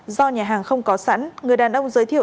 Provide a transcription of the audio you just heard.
do nhà hàng không có sẵn người đàn ông giới thiệu